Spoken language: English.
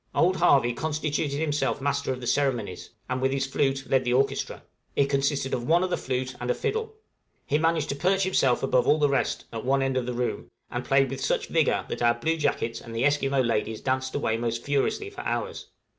Old Harvey constituted himself master of the ceremonies, and with his flute led the orchestra; it consisted of one other flute and a fiddle; he managed to perch himself above all the rest, at one end of the room, and played with such vigor that our bluejackets and the Esquimaux ladies danced away most furiously for hours.